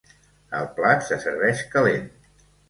El plat se serveix calent.